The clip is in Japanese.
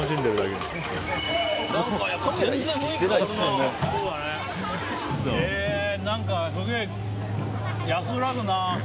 何か、すげえ、安らぐな。